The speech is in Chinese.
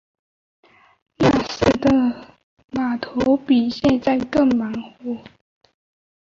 那时的码头比现在更加繁忙。